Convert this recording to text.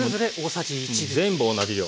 全部同じ量。